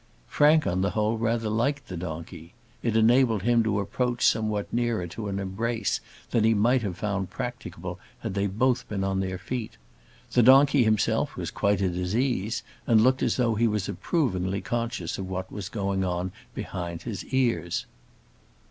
Frank, on the whole, rather liked the donkey. It enabled him to approach somewhat nearer to an embrace than he might have found practicable had they both been on their feet. The donkey himself was quite at his ease, and looked as though he was approvingly conscious of what was going on behind his ears.